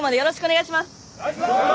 お願いします。